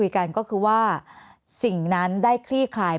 แอนตาซินเยลโรคกระเพาะอาหารท้องอืดจุกเสียดแสบร้อน